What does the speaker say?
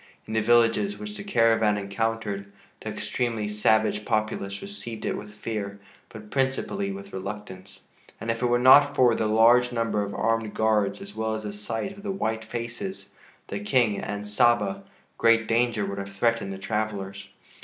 In the villages which the caravan encountered, the extremely savage populace received it with fear, but principally with reluctance, and if it were not for the large number of armed guards as well as the sight of the white faces, the King, and Saba, great danger would have threatened the travelers.